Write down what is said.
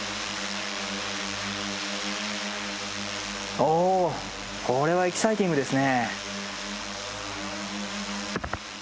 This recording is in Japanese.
おおこれはエキサイティングですね。